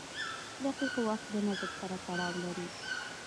• دقیق وخت د نظم سره تړاو لري.